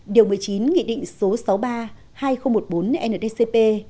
điều một mươi chín nghị định số sáu mươi ba hai nghìn một mươi bốn ndcp